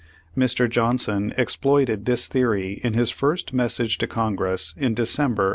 Mr. Johnson exploited this theory in his first message to Congress in Decem ber, 1865.